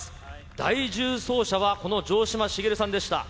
第１０走者は、この城島茂さんでした。